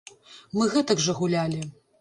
Мы гэтак жа гулялі.